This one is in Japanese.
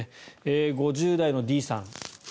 ５０代のＤさん